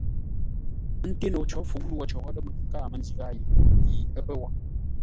Ə́ ńté no có fuʼ lwo cər wó lə́ məŋ káa mə́ njí ghâa yʉʼ yi ə́ pə́ wó.